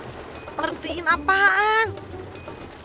aku udah berhancur sayang sama boy tante